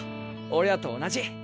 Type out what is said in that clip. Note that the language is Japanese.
俺らと同じ。